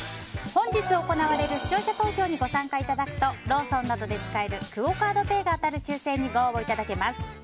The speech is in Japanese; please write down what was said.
本日行われる視聴者投票にご参加いただくとローソンなどで使えるクオ・カードペイが当たる抽選に、ご応募いただけます。